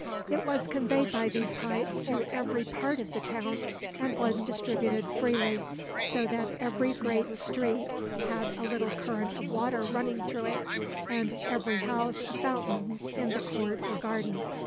It was conveyed by these pipes to every part of the town, and was distributed freely, so that every great street had a little current of water running through it, and every house a fountain in the court or garden.